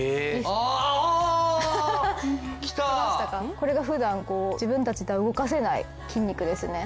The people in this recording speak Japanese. これが普段こう自分たちでは動かせない筋肉ですね。